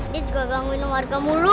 dia juga gangguin warga mulu